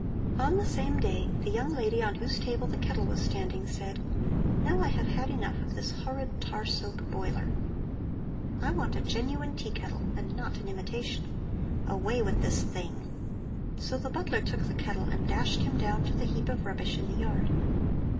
"On the same day the young lady on whose table the kettle was standing said: 'Now I have had enough of this horrid tar soap boiler. I want a genuine tea kettle and not an imitation. Away with this thing!' So the butler took the kettle and dashed him down to the heap of rubbish in the yard.